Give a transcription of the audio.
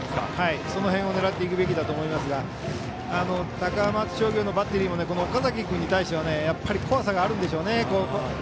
その辺を狙っていくべきだと思いますが高松商業のバッテリーも岡崎君に対しては怖さがあるんでしょうね